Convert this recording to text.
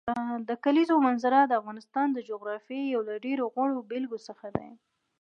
د کلیزو منظره د افغانستان د جغرافیې یو له ډېرو غوره بېلګو څخه ده.